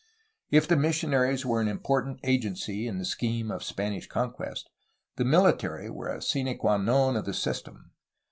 If the missionaries were an important agency in the scheme of Spanish conquest, the miUtary were a sine qua non of the system.